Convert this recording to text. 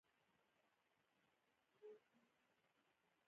هغه پنځه سوه زره افغانۍ پانګه اچوي